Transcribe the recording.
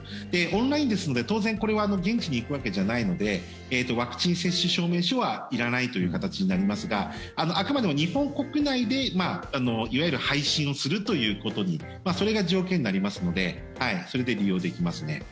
オンラインですので当然、これは現地に行くわけじゃないのでワクチン接種証明書はいらないという形になりますがあくまでも日本国内でいわゆる配信するということそれが条件になりますのでそれで利用できますね。